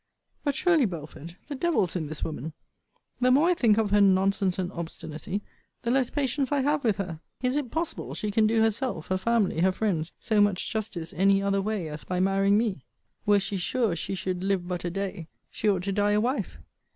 But surely, Belford, the devil's in this woman! The more I think of her nonsense and obstinacy, the less patience I have with her. Is it possible she can do herself, her family, her friends, so much justice any other way, as by marrying me? Were she sure she should live but a day, she ought to die a wife.